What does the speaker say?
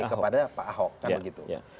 kepada pak ahok kan begitu